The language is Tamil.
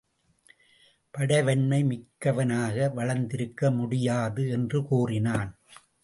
படைவன்மை மிக்கவனாக வளர்ந்திருக்க முடியாது என்று கூறினான்.